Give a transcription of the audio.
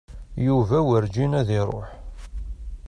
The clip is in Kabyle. Yuba werǧin ad iṛuḥ.